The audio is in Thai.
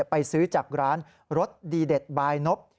ไปซื้อจากร้านรสดีเด็ดบายนบ